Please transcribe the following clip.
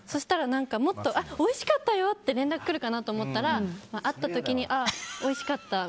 もっとおいしかったよって連絡が来るかと思ったら会った時に、ああ、おいしかった。